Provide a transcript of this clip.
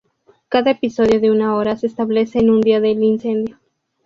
Cada episodio de una hora se establece en un día del incendio.